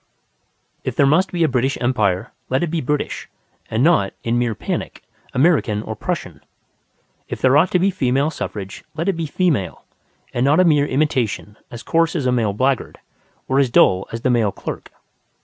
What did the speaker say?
If there must be a British Empire, let it be British, and not, in mere panic, American or Prussian. If there ought to be female suffrage, let it be female, and not a mere imitation as coarse as the male blackguard or as dull as the male clerk.